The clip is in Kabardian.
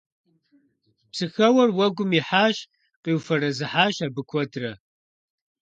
Псыхэуэр уэгум ихьащ. Къиуфэрэзыхьащ абы куэдрэ.